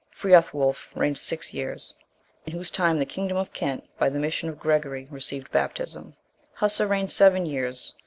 Freothwulf reigned six years. In whose time the kingdom of Kent, by the mission of Gregory, received baptism. Hussa reigned seven years.